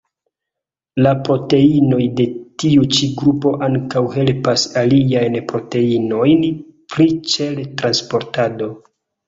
La proteinoj de tiu ĉi grupo ankaŭ helpas aliajn proteinojn pri ĉel-transportado.